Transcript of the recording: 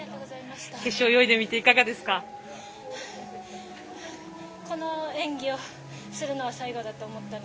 決勝泳いでみていかがでした？